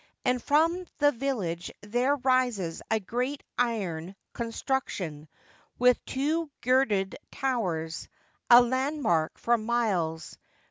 And from the village there rises a great iron con struction with two girdered towers, a land mark for miles.